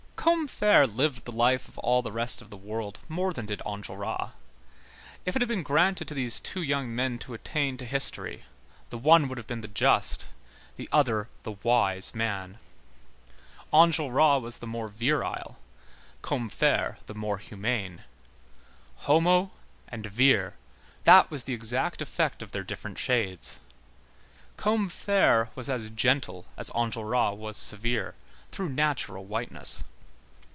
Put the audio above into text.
Combeferre lived the life of all the rest of the world more than did Enjolras. If it had been granted to these two young men to attain to history, the one would have been the just, the other the wise man. Enjolras was the more virile, Combeferre the more humane. Homo and vir, that was the exact effect of their different shades. Combeferre was as gentle as Enjolras was severe, through natural whiteness.